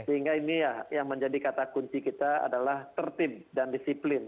sehingga ini ya yang menjadi kata kunci kita adalah tertib dan disiplin